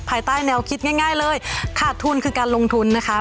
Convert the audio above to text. ภายใต้แนวคิดง่ายเลยขาดทุนคือการลงทุนนะคะ